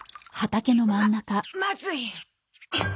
ままずい。